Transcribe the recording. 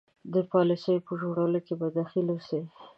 د پالیسیو په جوړولو کې به دخیل اوسي.